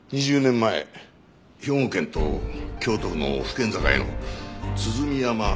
２０年前兵庫県と京都府の府県境の津炭山